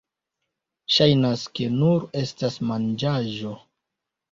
Ŝajnas, ke nur estas manĝaĵo